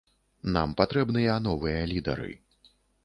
Нам патрэбныя новыя лідары.